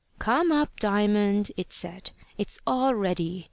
"Come up, Diamond," it said. "It's all ready.